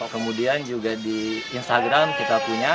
kemudian juga di instagram kita punya